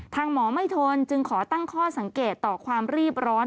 หมอไม่ทนจึงขอตั้งข้อสังเกตต่อความรีบร้อน